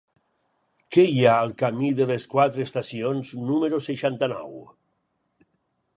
Què hi ha al camí de les Quatre Estacions número seixanta-nou?